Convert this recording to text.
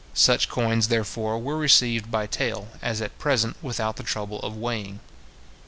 Such coins, therefore, were received by tale, as at present, without the trouble of weighing.